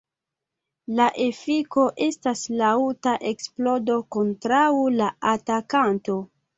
La efiko estas laŭta eksplodo kontraŭ la atakanto.